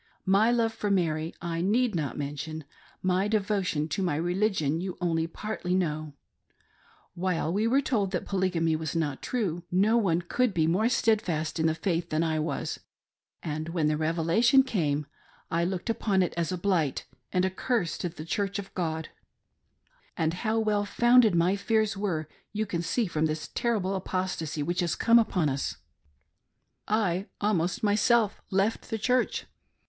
My love for Mary I need not mention ; my devo tion to toy religion you' only partly kniowv While we were told that Polygamy was not true, no one could be more stead fast in the faith than I was ; and when the Revelation came, I looked upon it as a blight and a curse to the Church of God,; and how well founded my fears^ were you can see from this terrible apostasy which has come upon us. I almost myself l66 "THE MEANING OF THAT WORD." left the Church.